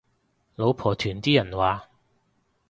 老婆團啲人話